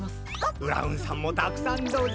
ブラウンさんもたくさんどうぞ。